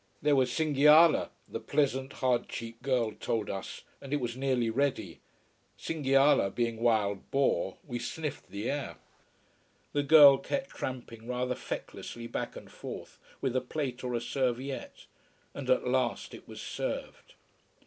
There was cinghiale, the pleasant, hard cheeked girl told us, and it was nearly ready. Cinghiale being wild boar, we sniffed the air. The girl kept tramping rather fecklessly back and forth, with a plate or a serviette: and at last it was served.